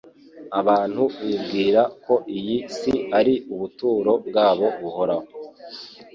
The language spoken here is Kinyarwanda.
abantu bibwira ko iyi si ari ubuturo bwabo buhoraho.